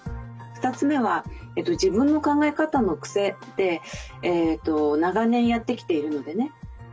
２つ目は自分の考え方のクセで長年やってきているのでね